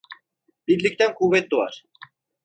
Birlikten kuvvet doğar.